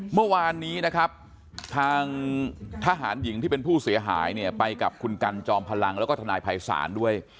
เมื่อวานนี้นะครับทางทหารหญิงที่เป็นผู้เสียหายเนี่ยไปกับคุณกันจอมพลังแล้วก็ทนายภัยศาลด้วย